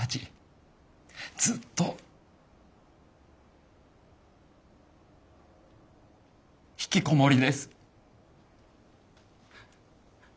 ずっとひきこもりです。